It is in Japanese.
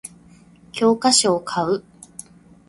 教科書を買う